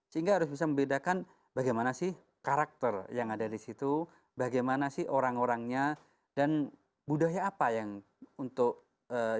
sehingga harus bisa membedakan bagaimana sih karakter yang ada di situ bagaimana sih orang orangnya dan budaya apa yang untuk